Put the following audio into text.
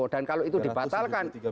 dan kalau itu dibatalkan